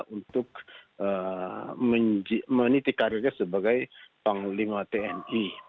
untuk meniti karirnya sebagai panglima tni